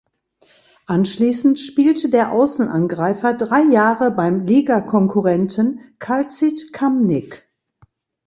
Anschließend spielte der Außenangreifer drei Jahre beim Ligakonkurrenten Calcit Kamnik.